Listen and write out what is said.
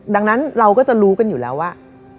ดังนั้นเราก็จะรู้กันอยู่แล้วว่า